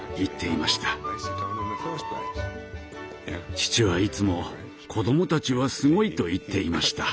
父はいつも「子供たちはすごい」と言っていました。